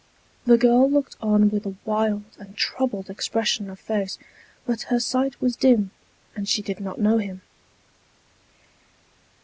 The girl looked on with a wild and troubled expression of face ; but her sight was dim, and she did not know him.